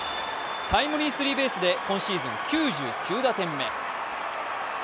タイムリースリーベースで今シーズン９９打点目。